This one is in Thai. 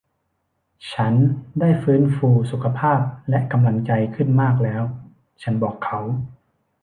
ฉันได้ฟื้นฟูสุขภาพและกำลังใจขึ้นมากแล้ว ฉันบอกเขา